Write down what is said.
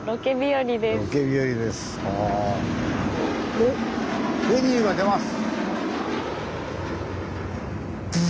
おっフェリーが出ます。